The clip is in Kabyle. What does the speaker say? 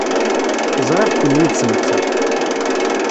Ẓriɣ-ken yid-s netta.